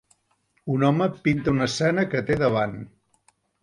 Un home pinta una escena que té davant.